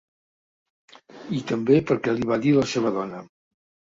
I també perquè li va dir la seva dona.